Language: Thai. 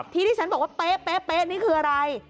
ที่ที่ฉันบอกว่าเป๊ะเป๊ะเป๊ะนี่คืออะไร